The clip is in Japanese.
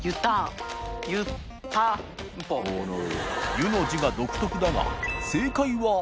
「湯」の字が独特だが餅田）